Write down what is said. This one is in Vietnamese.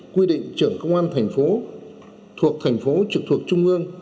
quy định trưởng công an thành phố thuộc thành phố trực thuộc trung ương